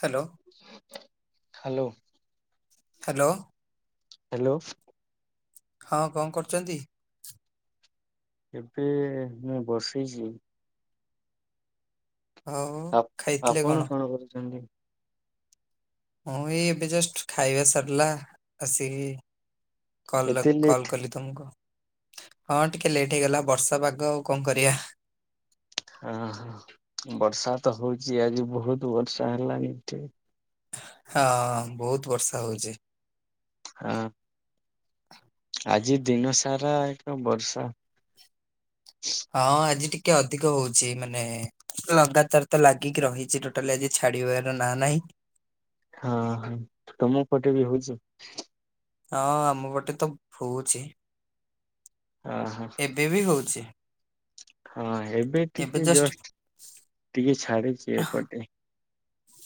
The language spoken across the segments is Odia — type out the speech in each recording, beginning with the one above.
ହ୍ୟାଲୋ। ହ୍ୟାଲୋ। ହ୍ୟାଲୋ। ହ୍ୟାଲୋ। ହଁ କଣ କରୁଛନ୍ତି? ଏବେ ମୁଁ ବସିଛି ଆଉ ଖାଇଥିଲେ ଆପଣ କଣ କରୁଛନ୍ତି? ହଁ ଏଇ ଏବେ ଜଷ୍ଟ ଖାଇବା ସାରିଲା ଆସିକି କଲ୍ ଏତେ କଲ୍ ଲେଟ୍ କଲି ତମ କୁହ ହଁ ଟିକେ ଲେଟ୍ ହେଇଗଲା ବର୍ଷା ପାଗ ଆଉ କଣ କରିବା? ହଁ ହ ବର୍ଷା ତ ହଉଚି ଆଜି ବହୁତ ବର୍ଷା ହେଲାଣିି ଏଠି ହଁ ବହୁତ ବର୍ଷା ହଉଛି। ହଁ। ଆଜି ଦିନ ସାରା ଏକା ବର୍ଷା ହଁ ଆଜି ଟିକେ ଅଧିକ ହଉଛି ମାନେ ଲଗାତାର ତ ଲାଗିକି ରହିଛି ଟୋଟାଲି ଆଜି ଛାଡିବାର ନାଁ ନାହିଁ ହଁ ହ ତମ ପଟେ ବି ହଉଛି? ହଁ ଆମ ପଟେ ତ ହଉଛି ହଁ ହୋ। ଏବେ ବି ହଉଛି ହଁ ଏବେ ଟିକେ ଜଷ୍ଟ ଟିକେ ଛାଡିଛି ଏପଟେ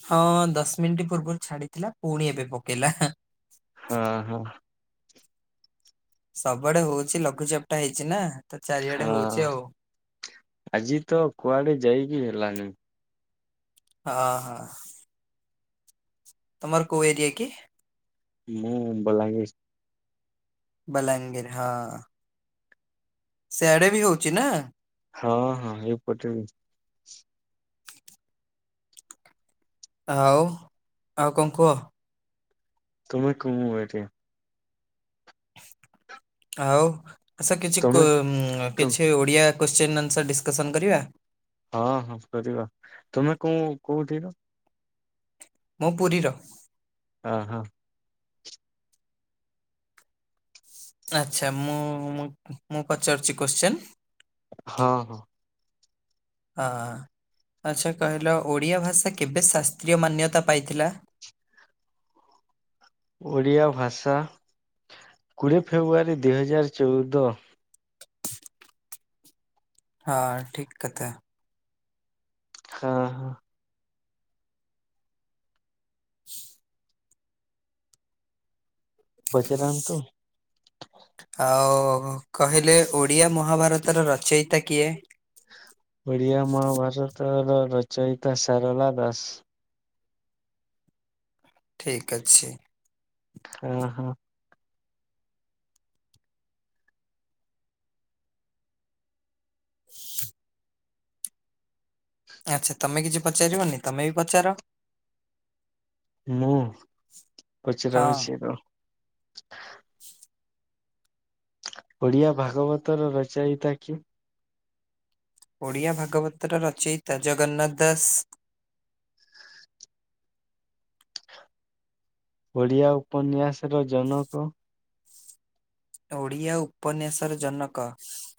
ହଁ ଦଶ ମିନିଟ୍ ପୂର୍ବରୁ ଛାଡିଥିଲା ପୁଣି ଏବେ ପକେଇଲା ହଁ ହଁ। ସବୁଆଡେ ହଉଛି ଲଘୁଚାପ ଟା ହେଇଛି ନା ତ ଚାରିଆଡେ ହଁ ହଉଛି ଆଉ। ଆଜି ତ କୁଆଡେ ଯାଇକି ହେଲାନି ହଁ ହଁ। ତମର କୋଉ ଏରିଆ କି? ମୁଁ ବଲାଙ୍ଗୀର ବଲାଙ୍ଗୀର ହଁ ସେଆଡେ ବି ହଉଛି ନା? ହଁ ହଁ ଏଇପଟେ ବି ଆଉ ଆଉ କଣ କୁହ? ତୁମେ [unintelligible] କଟ [unintelligible] ଆଉ ଆସ [unintelligible] କିଛି ତମେ ତୁ କିଛି ଓଡ଼ିଆ କୋଶ୍ଚିନ୍ ଆନ୍ସର ଡିସକସନ୍ କରିବା? ହଁ ହଁ କରିବା ତୁମେ କୋଉ କୋଉଠିର? ମୁଁ ପୁରୀର। ହ ହଁ, ଆଚ୍ଛା ମୁଁ ମୁଁ ମୁଁ ପଚାରୁଛି କୋଶ୍ଚିନ। ହଁ ହଁ, ହଁ ଆଚ୍ଛା କହିଲ ଓଡ଼ିଆ ଭାଷା କେବେ ଶାସ୍ତ୍ରୀୟ ମାନ୍ୟତା ପାଇଥିଲା? ଓଡ଼ିଆ ଭାଷା କୋଡ଼ିଏ ଫେବୃଆରୀ ଦୁଇ ହଜାର ଚଉଦ। ହଁ ଠିକ କଥା। ହଁ ହଁ, ହ ପଚାରନ୍ତୁ, ଆଉ କହିଲେ ଓଡ଼ିଆ ମହାଭାରତର ରଚୟିତା କିଏ? ଓଡିଆ ମହାଭାରତର ରଚୟିତା ସାରଳା ଦାସ। ଠିକ୍ ଅଛି। ହଁ ହଁ, ଆଚ୍ଛା ତମେ କିଛି ପଚାରିବନି ତମେ ବି ପଚାର। ମୁଁ ହଁ ପଚରାହଉଛି ରହ। ଓଡିଆ ଭାଗବତ ର ରଚାଇତା କିଏ? ଓଡ଼ିଆ ଭାଗବତର ରଚୟିତା ଜଗନ୍ନାଥ ଦାସ। ଓଡ଼ିଆ ଉପନ୍ୟାସର ଜନକ? ଓଡ଼ିଆ ଉପନ୍ୟାସର ଜନକ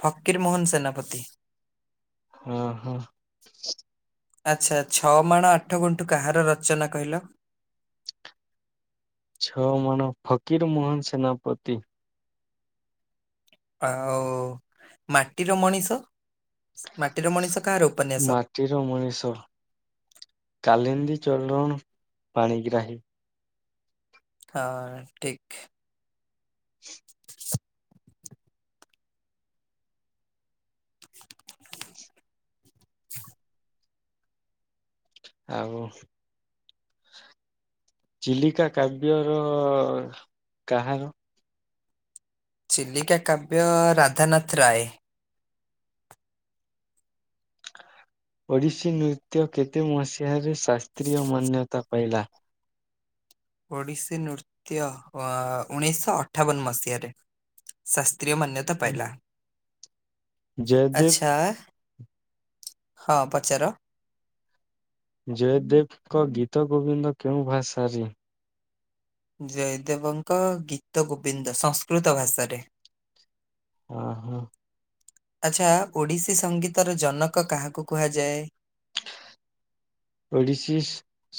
ଫକୀର ମୋହନ ସେନାପତି। ହଁ ହଁ, ଆଚ୍ଛା ଛଅ ମାଣ ଆଠ ଗୁଣ୍ଠୁ କାହାର ରଚନା କହିଲ? ଛଅମାଣ ଫକୀର ମୋହନ ସେନାପତି। ଆଉ-ଉ-ଉ-ଉ ମାଟିର ମଣିଷ, ମାଟିର ମଣିଷ କାହାର ଉପନ୍ୟାସ? ମାଟିର ମଣିଷ କାଲିନ୍ଦୀ ଚରଣ ପାଣିଗ୍ରାହୀ। ହଁ-ଅ-ଅ ଠିକ୍। ଆଉ ଚିଲିକା କାବ୍ୟର-ଅ-ଅ-ଅ କାହାର? ଚିଲିକା କାବ୍ୟ ରାଧାନାଥ ରାୟ। ଓଡିଶୀ ନୃତ୍ୟ କେତେ ମସିହାରେ ଶାସ୍ତ୍ରୀୟ ମାନ୍ୟତା ପାଇଲା? ଓଡ଼ିଶୀ ନୃତ୍ୟ ଅ-ଅ ଉଣେଇଶହ ଅଠାବନ ମସିହାରେ ଶାସ୍ତ୍ରୀୟ ମାନ୍ୟତା ପାଇଲା। ଆଛା, ଜୟଦେବ ହଁ ପଚାର? ଜୟଦେବଙ୍କ ଗୀତ ଗୋବିନ୍ଦ କେଉଁ ଭାଷାରେ? ଜୟଦେବଙ୍କ ଗୀତ ଗୋବିନ୍ଦ ସଂସ୍କୃତ ଭାଷାରେ। ଓ ହୋ। ଆଚ୍ଛା ଓଡିଶୀ ସଙ୍ଗୀତର ଜନକ କାହାକୁ କୁହାଯାଏ? ଓଡ଼ିଶୀ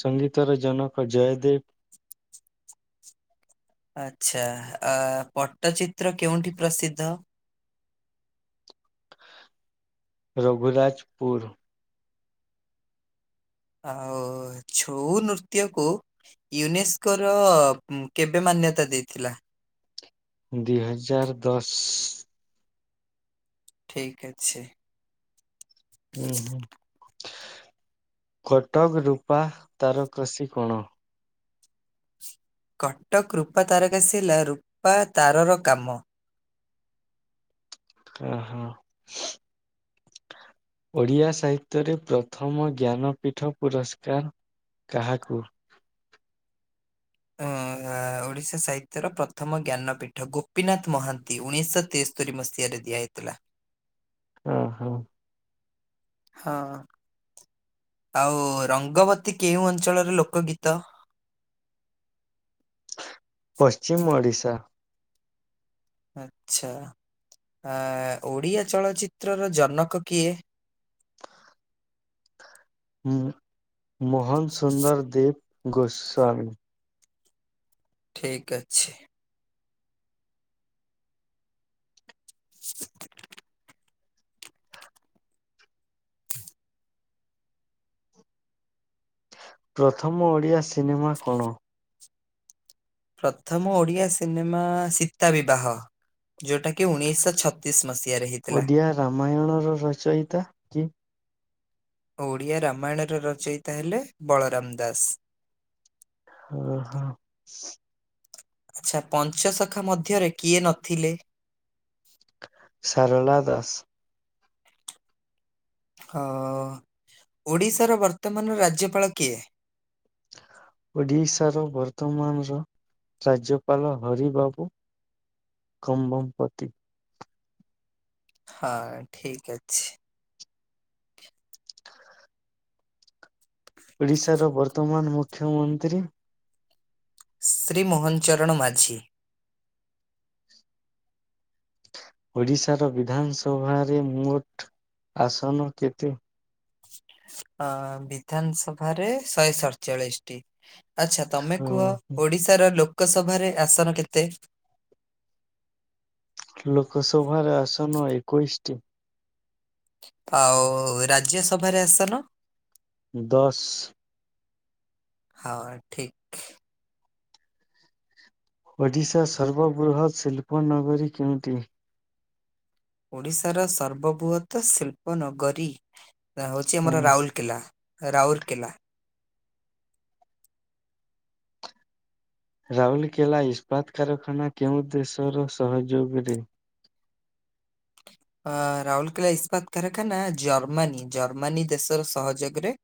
ସଙ୍ଗୀତର ଜନକ ଜୟଦେବ। ଆଛା ପଟ୍ଟଚିତ୍ର କେଉଁଠି ପ୍ରସିଦ୍ଧ? ରଘୁରାଜପୁର। ଆଉ ଛଉ ନୃତ୍ୟକୁୁ ୟୁନେସ୍କୋ ର କେବେ ମାନ୍ୟତା ଦେଇଥିଲା? ଦି ହଜାର ଦଶ। ଠିକ୍ ଅଛି। ଉଁ ହୁଁ କଟକ ରୂପା ତାର କୃଷି କୋଣ। କଟକ ରୂପା ତାରକାସି ହେଲା ରୂପା ତାରର କାମ। ଓ ହୋ। ଓଡିଆ ସାହିତ୍ୟରେ ପ୍ରଥମ ଜ୍ଞାନ ପୀଠ ପୁରସ୍କାର। କାହାକୁ? ଉଁ ଆ ଓଡ଼ିଶା ସାହିତ୍ୟର ପ୍ରଥମ ଜ୍ଞାନପୀଠ ଗୋପୀନାଥ ମହାନ୍ତି ଉଣେଇଶହ ତେସ୍ତୋରି ମସିହାରେ ଦିଆହେଇଥିଲା। ଓ ହୋ। ହଁ ଆଉ ରଙ୍ଗବତୀ କେଉଁ ଅଞ୍ଚଳର ଲୋକ ଗୀତ। ପଶ୍ଚିମ ଓଡିଶା। ଆଛା ଆ ଓଡ଼ିଆ ଚଳଚ୍ଚିତ୍ରର ଜନକ କିଏ? ହୁଁ ମୋହନ ସୁୁନ୍ଦର ଦେବ ଗୋସ୍ୱାମୀ। ଠିକ୍ ଅଛି। ପ୍ରଥମ ଓଡ଼ିଆ ସିନେମା କଣ? ପ୍ରଥମ ଓଡିଆ ସିନେମା ସୀତା ବିବାହ ଯୋଉଟା କି ଉଣେଇଶି ଶହ ଛତିଶ ମସି ଓଡିଆ ରାମାୟଣ ର ରଚୟିତା। କି ଓଡିଆ ରାମାୟଣର ରଚୟତା ହେଲେ ବଳରାମ ଦାସ। ଓ ହୋ। ଆଚ୍ଛା ପଞ୍ଚସଖା ମଧ୍ୟରେ କିଏ ନଥିଲେ? ସାରଳା ଦାସ। ହଉ ଓଡିଶାର ବର୍ତ୍ତମାନର ରାଜ୍ୟପାଳ କିଏ? ଓଡିଶାର ବର୍ତମାନର ରାଜ୍ୟପାଳ ହରି ବାବୁ କମ୍ବମପତି। ହଁ ଠିକ ଅଛି। ଓଡ଼ିଶାର ବର୍ତ୍ତମାନ ମୁଖ୍ୟମନ୍ତ୍ରୀ। ଶ୍ରୀ ମୋହନଚରଣ ମାଝୀ। ଓଡ଼ିଶାର ବିଧାନସଭାରେ ମୋଟ ଆସନ କେତେ? ଅ ବିଧାନ ସଭାରେ ଶହେ ସରଚାଳିଶଟି। ଆଚ୍ଛା ତମେ କୁହ ଓଡିଶାର ଲୋକସଭାରେ ଆସନ କେତେ? ଲୋକସଭାରେ ଆସନ ଏକୋଇଶିଟି। ଆଉ ରାଜ୍ୟସଭାରେ ଆସନ। ଦଶ। ହଁ ଠିକ। ଓଡ଼ିଶା ସର୍ବବୃହତ୍ ଶିଳ୍ପନଗରୀ କେଉଁଠି? ଓଡିଶାର ସର୍ବବୃହତ ଶିଳ୍ପ ନଗରୀ। ହଉଛି ହଁ ଆମର ରାଉଲ କିଲା ରାଉରକିଲା। ରାଉଲକେଲା ଇସ୍ପାତ କାରଖାନା କେଉଁ ଦେଶର ସହଯୋଗରେ ଆ ରାଉରକେଲା ଇସ୍ପାତ କାରଖାନା ଜର୍ମାନୀ ଜର୍ମାନୀ ଦେଶର ସହଯୋଗରେ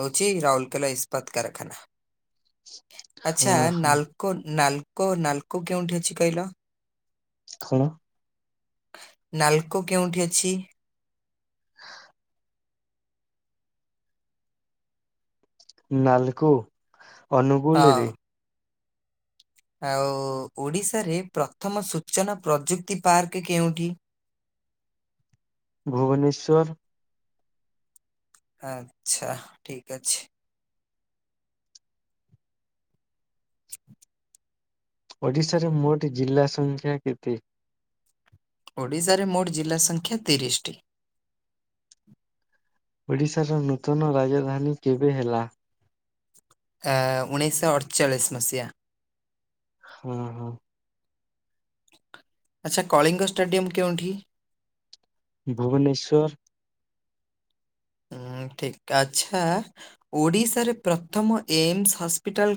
ହଉଚି ରାଉରକେଲା ଇସ୍ପାତ କାରଖାନା। ଆଚ୍ଛା ହଁ ହଁ ନାଲକୋ ନାଲକୋ ନାଲକୋ କେଉଁଠି ଅଛି କହିଲ? ଖୁଁ ନାଲକୋ କେଉଁଠି ଅଛି? ନାଲକୋ ହଁ ଅନୁଗୁଲରେ। ଆଉ ଓଡ଼ିଶାରେ ପ୍ରଥମ ସୂଚନା ପ୍ରଯୁକ୍ତି ପାର୍କ କେଉଁଠି? ଭୁବନେଶ୍ୱର। ଆଛା ଠିକ ଅଛି। ଓଡିଶାର ମୋଟ ଜିଲ୍ଲା ସଂଖ୍ୟା କେତେ? ଓଡ଼ିଶାରେ ମୋଟ ଜିଲ୍ଲା ସଂଖ୍ୟା ତିରିଶିଟି। ଓଡ଼ିଶାର ନୂତନ ରାଜଧାନୀ କେବେ ହେଲା? ଆ ଉଣେଇଶହ ଅଠଚାଳିଶ ମସିହା। ହୁଁ ହୁଁ। ଆଛା କଳିଙ୍ଗ ଷ୍ଟାଡିୟମ କେଉଁଠି? ଭୁବନେଶ୍ୱର। ହଁ ଠିକ୍। ଆଛା ଓଡିଶାରେ ପ୍ରଥମ ଏମସ ହସ୍ପିଟାଲ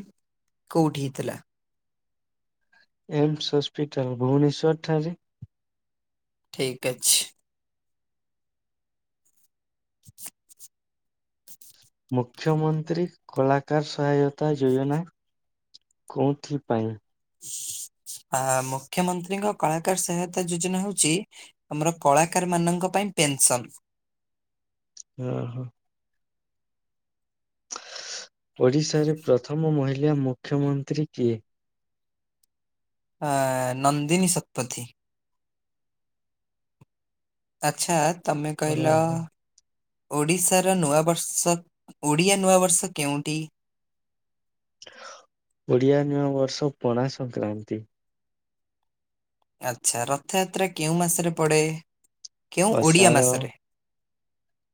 କୋଉଠି ହେଇଥିଲା? ଏମ୍ସ ହସ୍ପିଟାଲ ଭୁବନେଶ୍ଵର ଠାରେ। ଠିକ୍ ଅଛି। [inaudible] ମୁଖ୍ୟମନ୍ତ୍ରୀ କଳାକାର ସହାୟତା ଯୋଜନା କୋଉଥି ପାଇଁ? ଆ ମୁଖ୍ୟମନ୍ତ୍ରୀଙ୍କ କଳାକାର ସହାୟତା ଯୋଜନା ହଉଚି ଆମର କଳାକାର ମାନଙ୍କ ପାଇଁ ପେନସନ୍। ଅ ହଁ। ଓଡ଼ିଶାରେ ପ୍ରଥମ ମହିଳା ମୁଖ୍ୟମନ୍ତ୍ରୀ କିଏ? ଆ ନନ୍ଦିନୀ ଶତପଥି। ଆଛା ତମେ କହିଲ ଓହୋ ଓଡ଼ିଶାର ନୂଆବର୍ଷ ଓଡ଼ିଆ ନୂଆବର୍ଷ କେଉଁଟି? ଓଡିଆ ନୂଆବର୍ଷ ପଣା ସଂକ୍ରାନ୍ତି। ଆଚ୍ଛା ରଥଯାତ୍ରା କେଉଁ ମାସରେ ପଡେ? କେଉଁ ଓଡିଆ ଅଷାଢ଼ ମାସରେ?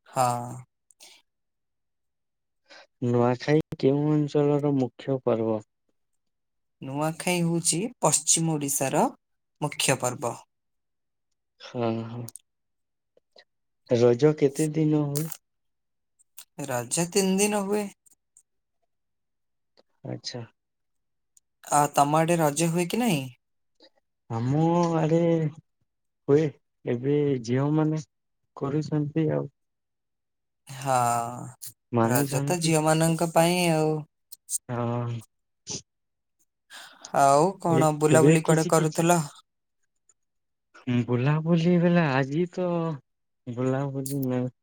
ହଁ। ନୂଆଖାଇ କେଉଁ ଅଞ୍ଚଳର ମୁଖ୍ୟ ପର୍ବ? ନୂଆଖାଇ ହଉଚି ପଶ୍ଚିମ ଓଡ଼ିଶାର ମୁଖ୍ୟ ପର୍ବ। ହଁ ହଁ। ରଜ କେତେ ଦିନ ହୁଏ? ରଜ ତିନି ଦିନ ହୁଏ। ଆଛା। ଆ ତମ ଆଡେ ରଜ ହୁଏ କି ନାଇଁ? ଆମ ଆଡେ ହୁଏ। ଏବେ ଝିଅ ମାନେ କରୁଛନ୍ତି ଆଉ। ହଁ, ରଜ ତ ମାନୁଛନ୍ତି ଝିଅମାନଙ୍କ ପାଇଁ ଆଉ। ହଁ। ଆଉ ଏ କଣ ଏବେ ବୁଲାବୁଲି କୁଆଡେ କିଛି କିଛି କରୁଥିଲ? ବୁଲାବୁଲି ବେଲା ଆଜି ତ ବୁଲାବୁଲି ନାଇଁ।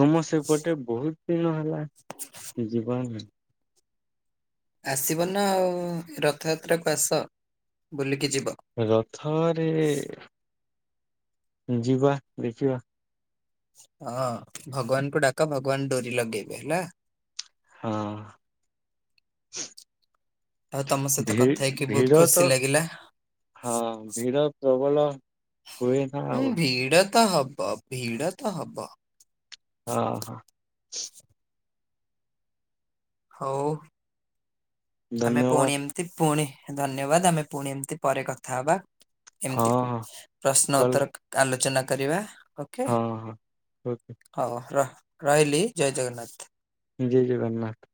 ତୁମ ସେପଟେ ବହୁତ୍ ଦିନ ହେଲା ଯିବାର ନାହିଁ। ଆସିବ ନା ଆଉ ରଥଯାତ୍ରାକୁ ଆସ ବୁଲିକି ଯିବ। ରଥରେ ଯିବା ଦେଖିବା। ହଁ ଭଗବାନଙ୍କୁ ଡାକ ଭଗବାନ ଡୋରି ଲଗେଇବେ ହେଲା। ହଁ। ଆଉ ତମ ସହିତ ଭି କଥା ହେଇକି ବହୁତ ଭିଡ଼ ଖୁସି ତ ଲାଗିଲା ହଁ ଭିଡ଼ ପ୍ରବଳ। ହୁଏ ନା ହୁଁ ଆଉ। ଭିଡ ତ ହବ ଭିଡ଼ ତ ହବ। ଅ ହଁ। ହଉ। ଆମେ ଧନ୍ୟବାଦ ପୁଣି ଏମତି ପୁଣି ଧନ୍ୟବାଦ ଆମେ ପୁଣି ଏମିତି ପରେ କଥା ହବା। ହଁ ଏମିତି ହଁ ପ୍ରଶ୍ନ କଲ ଉତ୍ତର ଆଲୋଚନା କରିବା। ଓକେ ହଁ ହଁ। ହଉ ର ରହିଲି ଜୟ ଜଗନ୍ନାଥ। ଜୟ ଜଗନ୍ନାଥ।